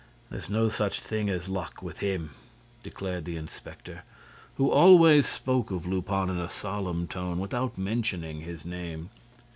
"There's no such thing as luck with 'him,'" declared the inspector, who always spoke of Lupin in a solemn tone and without mentioning his name.